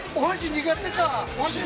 ◆苦手か。